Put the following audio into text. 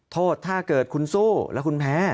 ถ้าเกิดคุณสู้แล้วคุณแพ้